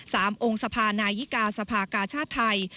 องค์สภานายิกาสภากาชาติไทย